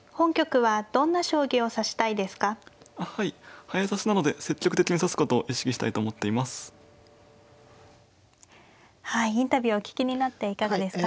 はいインタビューをお聞きになっていかがですか。